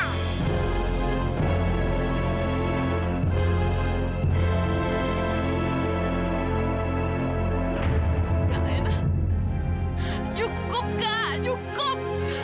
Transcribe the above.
malena cukup kak cukup